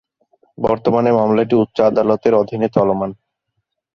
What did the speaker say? বর্তমানে মামলাটি উচ্চ আদালতের অধীনে চলমান।